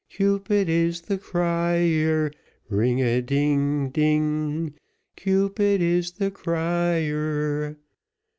Cupid is the crier, Ring a ding, a ding, Cupid is the crier.